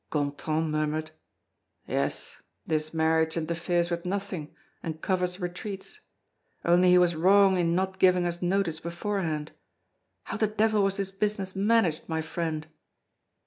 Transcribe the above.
Gontran murmured: "Yes, this marriage interferes with nothing, and covers retreats. Only he was wrong in not giving us notice beforehand. How the devil was this business managed, my friend?"